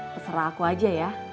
terserah aku aja ya